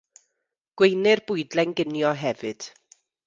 Gweinir bwydlen ginio hefyd.